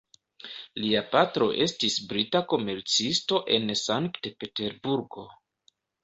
Lia patro estis brita komercisto en Sankt-Peterburgo.